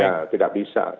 ya tidak bisa